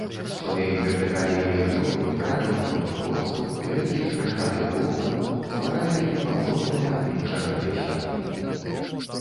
Струмень вертыкалей нервюр, граняў контрфорсаў, вялікіх стральчатых вокнаў стварае непаўторнае аблічча гэтай святыні.